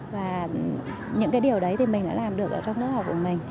và những điều đấy thì mình đã làm được trong lớp học của mình